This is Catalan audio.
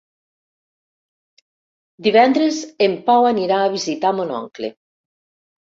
Divendres en Pau anirà a visitar mon oncle.